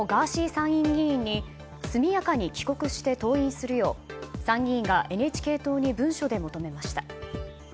参院議員に速やかに帰国して登院するよう参議院がＮＨＫ党に文書で求めました。